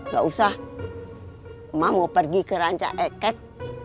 gak usah mama mau pergi ke ranca ekek